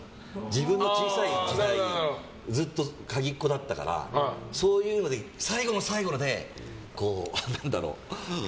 自分が小さいころ、ずっと鍵っ子だったから、そういうので最後の最後まで。